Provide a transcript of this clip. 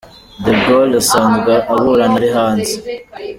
De Gaule asanzwe aburana ari hanze.